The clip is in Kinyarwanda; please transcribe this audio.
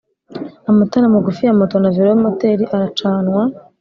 amatara magufi ya moto na velomoteri acanwa